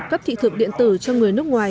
cấp thị thực điện tử cho người nước ngoài